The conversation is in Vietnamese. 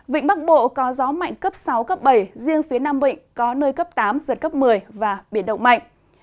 vịnh bắc bộ có gió mạnh cấp sáu cấp bảy riêng phía nam vịnh có nơi cấp tám giật cấp một mươi và biển động mạnh